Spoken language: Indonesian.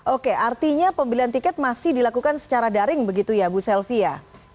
oke artinya pembelian tiket masih dilakukan secara daring begitu ya bu selvi ya